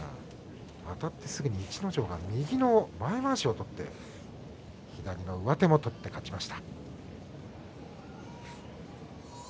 あたってすぐ逸ノ城が右の前まわしを取って左の上手も取って勝っています。